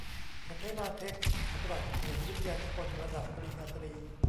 ฉันใช้ลาเท็กซ์สำหรับเขียนวิทยานิพนธ์ระดับปริญญาตรี